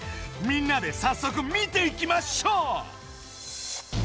みんなでさっそく見ていきましょう！